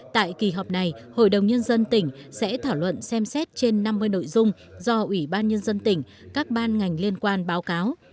tại kỳ họp này hội đồng nhân dân tỉnh sẽ thảo luận xem xét trên năm mươi nội dung do ủy ban nhân dân tỉnh các ban ngành liên quan báo cáo